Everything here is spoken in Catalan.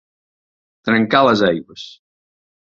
Trencar les aigües.